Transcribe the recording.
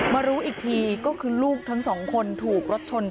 มารู้อีกทีก็คือลูกทั้งสองคน